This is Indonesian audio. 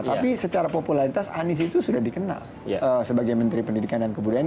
tapi secara popularitas anies itu sudah dikenal sebagai menteri pendidikan dan kebudayaan